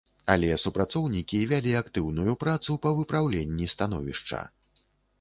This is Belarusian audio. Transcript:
Але супрацоўнікі вялі актыўную працу па выпраўленні становішча.